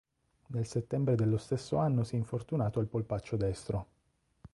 Nel settembre dello stesso anno si è infortunato al polpaccio destro.